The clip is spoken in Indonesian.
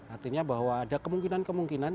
artinya bahwa ada kemungkinan kemungkinan